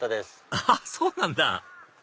あっそうなんだ